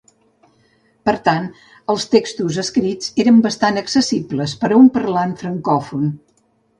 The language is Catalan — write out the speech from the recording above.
Per tant, els textos escrits eren bastant accessibles per a un parlant francòfon.